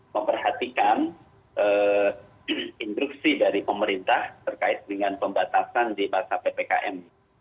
memperhatikan instruksi dari pemerintah terkait dengan pembatasan di masa ppkm